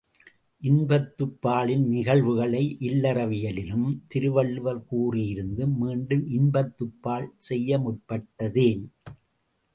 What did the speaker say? இன்பத்துப்பாலின் நிகழ்வுகளை இல்லறவியலிலும் திருவள்ளுவர் கூறியிருந்தும் மீண்டும் இன்பத்துப் பால் செய்யமுற்பட்டதேன்?